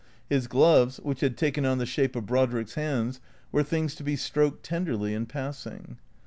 His gloves, which had taken on the shape of Brodrick's hands, were things to be stroked ten derly in passing.